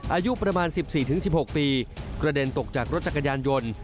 อายุประมาณ๑๔๑๖ปีกระเด็นตกจากรถจักรยานยนต์